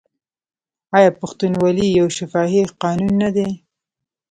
آیا پښتونولي یو شفاهي قانون نه دی؟